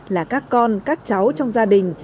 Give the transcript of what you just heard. là các con các cháu trong gia đình